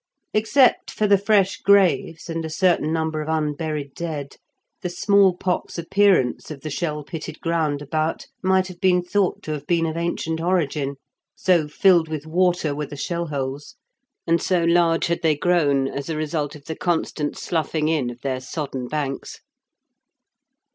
Except for the fresh graves and a certain number of unburied dead the small pox appearance of the shell pitted ground about might have been thought to have been of ancient origin; so filled with water were the shell holes and so large had they grown as a result of the constant sloughing in of their sodden banks.